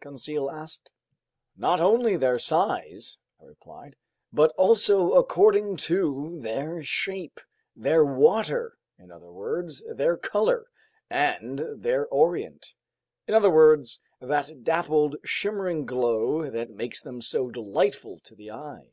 Conseil asked. "Not only on their size," I replied, "but also according to their shape, their water—in other words, their color—and their orient—in other words, that dappled, shimmering glow that makes them so delightful to the eye.